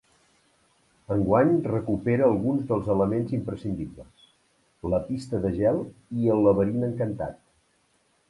Enguany recupera alguns dels elements imprescindibles: la pista de gel i el laberint encantat.